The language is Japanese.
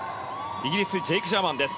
イギリスジェイク・ジャーマンです。